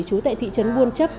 chú tại thị trấn buôn chấp